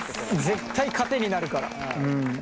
絶対糧になるから。